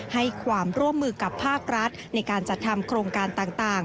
ให้ความร่วมมือกับภาครัฐในการจัดทำโครงการต่าง